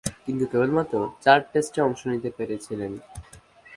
কিন্তু, কেবলমাত্র চার টেস্টে অংশ নিতে পেরেছিলেন।